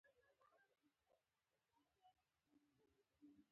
د قضیې ریښو ته فکر وشي.